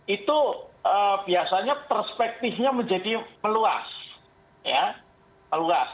itu biasanya perspektifnya menjadi meluas ya meluas